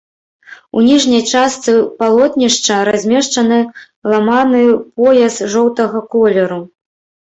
У ніжняй частцы палотнішча размешчаны ламаны пояс жоўтага колеру.